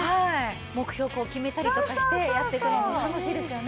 目標を決めたりとかしてやっていくのも楽しいですよね。